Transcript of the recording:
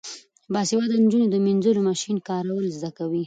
باسواده نجونې د مینځلو ماشین کارول زده کوي.